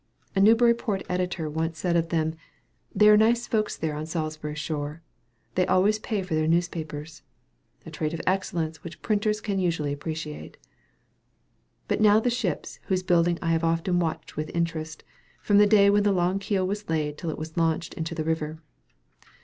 A Newburyport editor once said of them, "They are nice folks there on Salisbury shore; they always pay for their newspapers" a trait of excellence which printers can usually appreciate. But now to the ships, whose building I have often watched with interest, from the day when the long keel was laid till it was launched into the river.